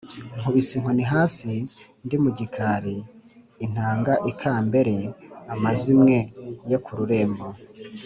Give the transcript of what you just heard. Nkubise inkoni hasi ndi mu gikari intanga ikambere-Amazimwe yo ku Rurembo.